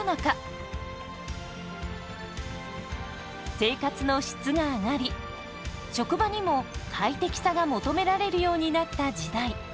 生活の質が上がり職場にも快適さが求められるようになった時代。